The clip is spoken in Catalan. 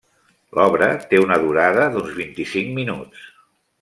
L'obra té una durada d'uns vint-i-cinc minuts.